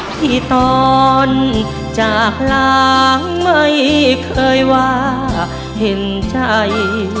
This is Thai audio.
ที่ตอนจากล้างไม่เคยว่าเห็นใจ